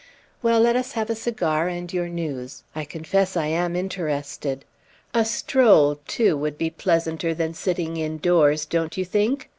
"Well, let us have a cigar and your news. I confess I am interested. A stroll, too, would be pleasanter than sitting indoors, don't you think?